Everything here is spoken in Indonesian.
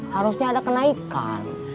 harusnya ada kenaikan